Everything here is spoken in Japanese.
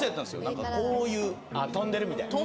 何かこういうあっ飛んでるみたいな？